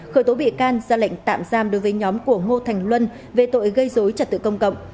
khởi tố bị can ra lệnh tạm giam đối với nhóm của ngô thành luân về tội gây dối trật tự công cộng